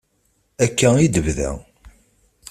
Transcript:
Akka i d-tebda.